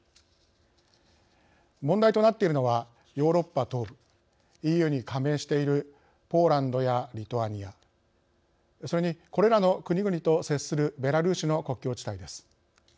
問題となっているのはヨーロッパ東部ＥＵに加盟しているポーランドやリトアニアそれに、これらの国々と接するベラルーシの国境地帯です。